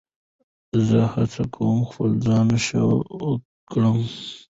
زه هڅه کوم خپل ځان ښه کړم.